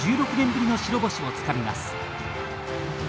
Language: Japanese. １６年ぶりの白星をつかみます。